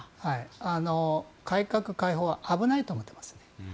改革開放は危ないと思ってますね。